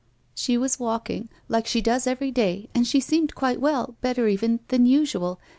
"She was walking — like she does every day — and she seemed quite well, better even — than usual.